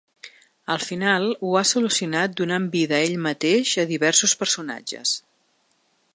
Al final, ho ha solucionat donant vida ell mateix a diversos personatges.